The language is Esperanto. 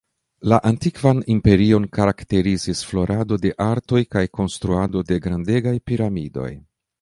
La Antikvan Imperion karakterizis florado de artoj kaj konstruado de grandegaj piramidoj.